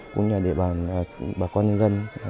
cũng như là địa bàn bà con nhân dân